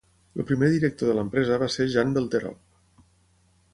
El primer director de l'empresa va ser Jan Velterop.